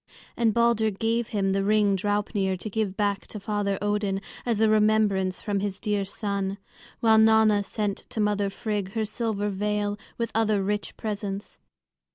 And Balder gave him the ring Draupnir to give back to Father Odin, as a remembrance from his dear son; while Nanna sent to mother Frigg her silver veil with other rich presents.